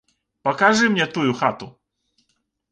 Пакажы мне тую хату.